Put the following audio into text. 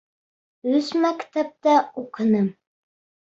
Өс мәктәптә уҡыным.